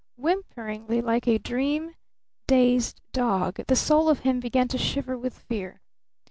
Whimperingly, like a dream dazed dog, the soul of him began to shiver with fear.